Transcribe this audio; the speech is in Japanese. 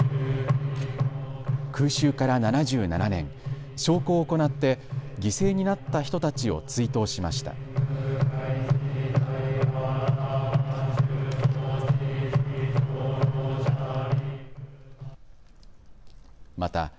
空襲から７７年、焼香を行って犠牲になった人たちを追悼しました。